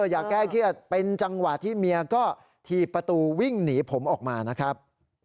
อย่าแก้เครียดเป็นจังหวะที่เมียก็ถีบประตูวิ่งหนีผมออกมานะครับ